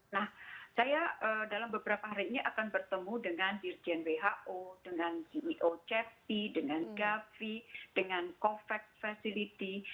nah saya dalam beberapa hari ini akan bertemu dengan dirjen who dengan ceo cept dengan gavi dengan covax facility